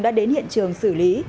đã đến hiện trường xử lý